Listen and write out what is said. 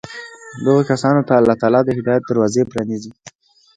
دغو كسانو ته الله تعالى د هدايت دروازې پرانېزي